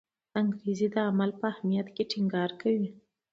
انګریز د عمل په اهمیت ټینګار کوي.